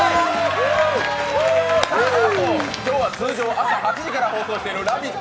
なんと今日は通常朝８時から放送としている「ラヴィット！」